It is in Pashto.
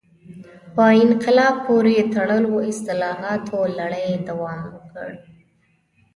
په انقلاب پورې تړلو اصلاحاتو لړۍ دوام وکړ.